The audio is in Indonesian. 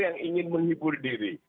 yang ingin menghibur diri